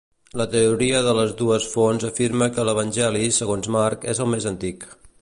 La teoria de les dues fonts afirma que l'Evangeli segons Marc és el més antic.